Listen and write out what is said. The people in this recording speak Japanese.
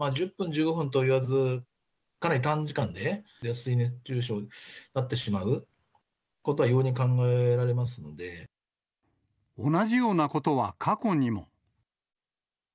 １０分、１５分とはいわず、かなり短時間で脱水や熱中症になってしまうことは容易に考えられ同じようなことは過去にも。